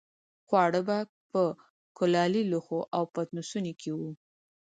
خواړه به په کلالي لوښو او پتنوسونو کې وو.